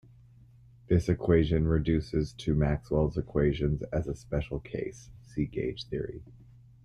This equation reduces to Maxwell's equations as a special case; see gauge theory.